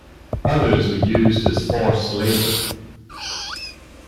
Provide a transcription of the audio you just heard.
Others were used as forced labor.